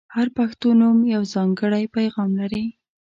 • هر پښتو نوم یو ځانګړی پیغام لري.